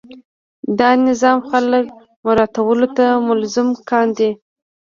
دا نظام خلک مراعاتولو ته ملزم کاندي.